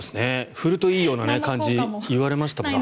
振るといいような感じ言われましたけどね。